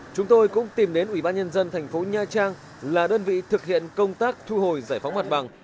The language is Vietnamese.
chúng tôi cũng tìm đến ủy ban nhân dân thành phố nha trang là đơn vị thực hiện công tác thu hồi giải phóng mặt bằng